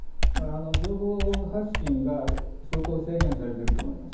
情報発信が相当制限されていると思います。